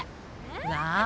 なあ。